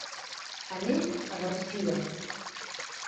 Anem a Garcia.